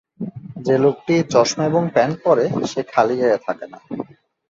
যে-লোকটি চশমা এবং প্যান্ট পরে, সে খালিগায়ে থাকে না।